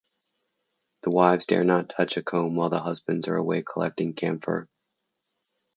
The wives dare not touch a comb while their husbands are away collecting camphor.